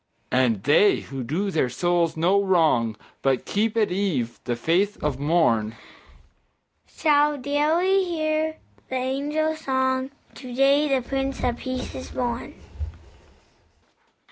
And they who do their souls no wrong, But keep at eve the faith of morn, Shall daily hear the angel song, "To day the Prince of Peace is born!"